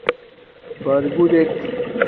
بَرگُݸ دݵک.